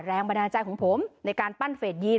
แรงบันดาลใจของผมในการปั้นเฟสยีน